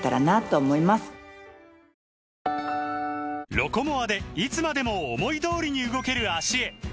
「ロコモア」でいつまでも思い通りに動ける脚へ！